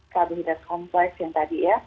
kabinet kompleks yang tadi ya